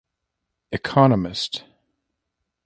Economist.